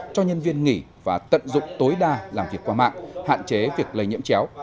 cho nhân viên nghỉ và tận dụng tối đa làm việc qua mạng hạn chế việc lây nhiễm chéo